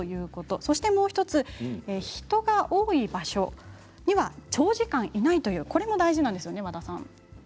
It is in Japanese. そしてもう１つ、人が多い場所には長時間いないというこれも大事なんですよね。